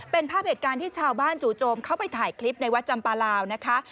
เป็นภาพเหตุการณ์ที่ชาวบ้านจู่โจมเข้าไปถ่ายคลิปในวัดจำปลาลาวนะคะ